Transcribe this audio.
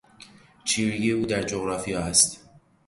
چیرگی او در جغرافیا است.